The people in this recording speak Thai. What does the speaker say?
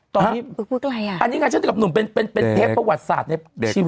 ตอนนี้อันนี้งั้นฉันที่กับหนูเป็นเพศประวัติศาสตร์ในชีวิต